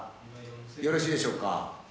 よろしいでしょうか？